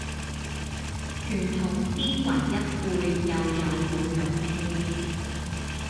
傳統思維一輩又有冇勇氣